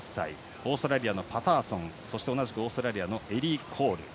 オーストラリアのパターソンそしてオーストラリアのエリー・コール。